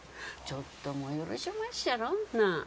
ちょっともうよろしおまっしゃろ？なぁ？